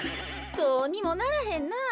どうにもならへんなあ。